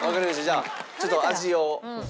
じゃあちょっと味を。